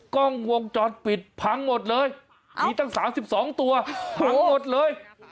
กล้องวงจรปิดพังหมดเลยเอามีตั้งสามสิบสองตัวโหพังหมดเลย